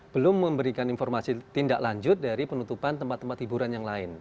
belum memberikan informasi tindak lanjut dari penutupan tempat tempat hiburan yang lain